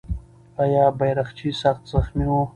آیا بیرغچی سخت زخمي و؟